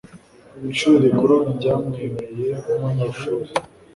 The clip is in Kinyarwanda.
Ishuri rikuru ryamwemeye nkumunyeshuri.